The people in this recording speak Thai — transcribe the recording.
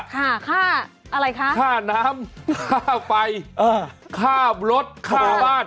ค่าอะไรคะค่าน้ำค่าไฟค่ารถค่าบ้าน